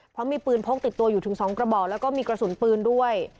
เพราะมีปืนพกติดตัวอยู่ถึง๒กระบอกแล้วก็มีกระสุนปืนด้วย